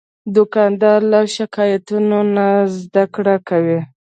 دوکاندار له شکایتونو نه زدهکړه کوي.